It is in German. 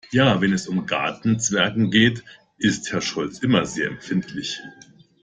Ja, wenn es um seine Gartenzwerge geht, ist Herr Scholz immer sehr empfindlich.